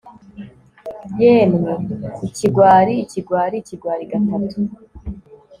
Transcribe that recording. Yemwe ikigwari ikigwari ikigwari gatatu